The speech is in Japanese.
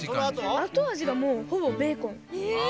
あとあじがもうほぼベーコン。